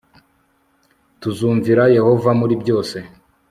Tuzumvira Yehova muri byose